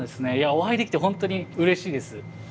お会いできて本当にうれしいです。